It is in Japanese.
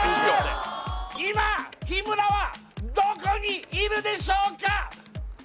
今日村はどこにいるでしょうか？